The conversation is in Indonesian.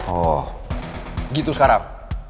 oh gitu sekarang